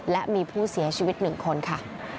และมีผู้เสียชีวิต๑คนค่ะ